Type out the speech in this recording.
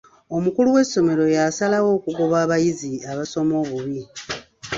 Omukulu w'essomero yasalawo okugoba abayizi abasoma obubi.